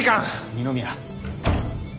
二宮。